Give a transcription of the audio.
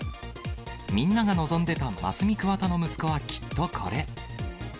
みんなが望んでたマスミ・クワタの息子はきっとこれ。